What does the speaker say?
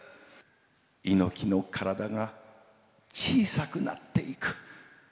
猪木の体が小さくなっていく。